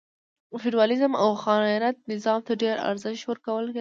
فیوډالېزم او خان رعیت نظام ته ډېر ارزښت ورکول کېده.